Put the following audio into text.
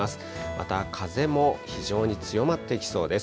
また風も非常に強まっていきそうです。